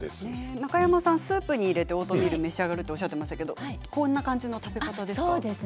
中山さんはスープに入れてオートミールを召し上がるとおっしゃってましたけどこんな感じの食べ方ですか？